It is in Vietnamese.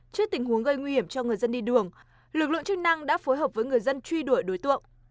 trước tình huống gây nguy hiểm cho người dân đi đường lực lượng chức năng đã phối hợp với người dân truy đuổi đối tượng